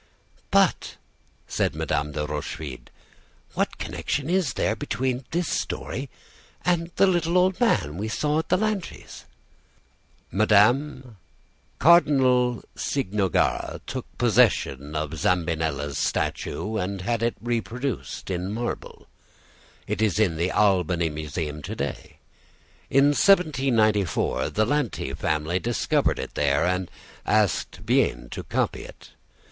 "But," said Madame de Rochefide, "what connection is there between this story and the little old man we saw at the Lantys'?" "Madame, Cardinal Cicognara took possession of Zambinella's statue and had it reproduced in marble; it is in the Albani Museum to day. In 1794 the Lanty family discovered it there, and asked Vien to copy it.